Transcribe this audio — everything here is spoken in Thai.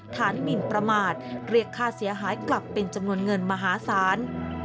หมินประมาทเรียกค่าเสียหายกลับเป็นจำนวนเงินมหาศาล